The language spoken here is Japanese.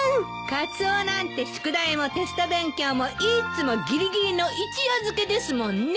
カツオなんて宿題もテスト勉強もいっつもぎりぎりの一夜漬けですもんね。